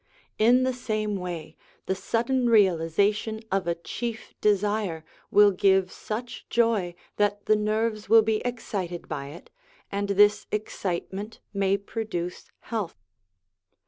In the same way the sudden realisation of a chief desire will give such joy that the nerves will be excited by it, and this excitement may produce health.